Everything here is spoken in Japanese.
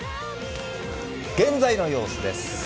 現在の様子です。